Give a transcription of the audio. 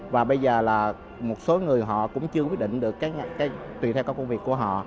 và bây giờ là một số người họ cũng chưa quyết định được tùy theo công việc của họ